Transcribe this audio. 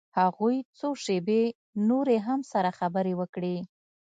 هغوى څو شېبې نورې هم سره خبرې وکړې.